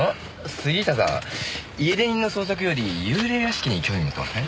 杉下さん家出人の捜索より幽霊屋敷に興味持ってません？